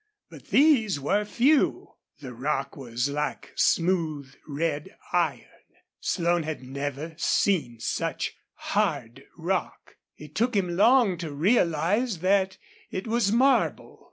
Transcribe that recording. But these were few. The rock was like smooth red iron. Slone had never seen such hard rock. It took him long to realize that it was marble.